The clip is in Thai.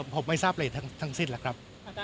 ผมไม่ทราบอะไรทั้งสิ้นแล้วครับ